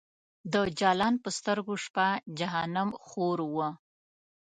د جلان په سترګو شپه جهنم خور و